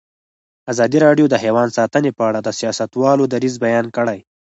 ازادي راډیو د حیوان ساتنه په اړه د سیاستوالو دریځ بیان کړی.